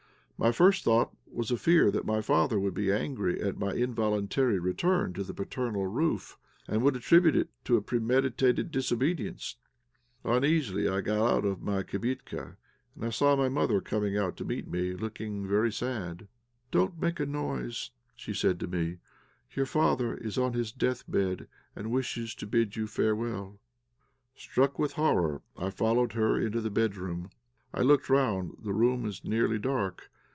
My first thought was a fear that my father would be angry at my involuntary return to the paternal roof, and would attribute it to a premeditated disobedience. Uneasy, I got out of my kibitka, and I saw my mother come to meet me, looking very sad. "Don't make a noise," she said to me. "Your father is on his death bed, and wishes to bid you farewell." Struck with horror, I followed her into the bedroom. I look round; the room is nearly dark.